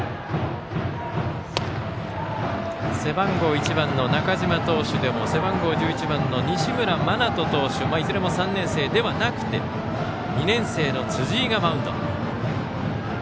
背番号１番の中嶋投手でも西村真人投手いずれの３年生でもなくて２年生の辻井がマウンド。